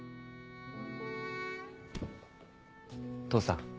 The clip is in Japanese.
父さん